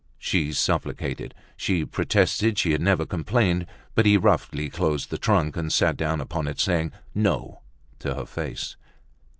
She supplicated, she protested she had never complained; but he roughly closed the trunk and sat down upon it, saying, "No!" to her face.